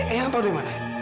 eyang tau dimana